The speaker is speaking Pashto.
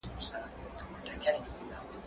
ايا ته کتابونه وړې